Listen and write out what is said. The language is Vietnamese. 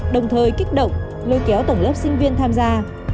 đồng thời kích động lôi kéo tầng lớp sinh viên tham gia